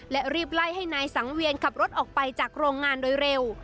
และรีบไล่ให้นายสังเวียนขับรถออกไปจากโรงงานโดยเร็ว